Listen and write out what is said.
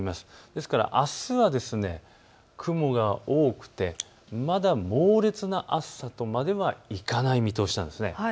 ですからあすは雲が多くてまだ猛烈な暑さとまではいかない見通しなんです。